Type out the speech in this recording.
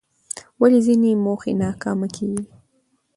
ولې ځینې موخې ناکامه کېږي؟